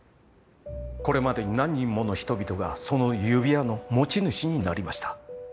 これまでに何人もの人々がその指輪の持ち主になりました。